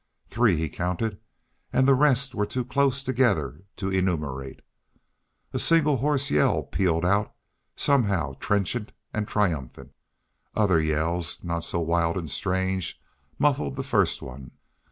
Three he counted, and the rest were too close together to enumerate. A single hoarse yell pealed out, somehow trenchant and triumphant. Other yells, not so wild and strange, muffled the first one.